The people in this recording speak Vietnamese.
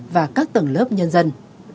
và các tầng lớp nhân dân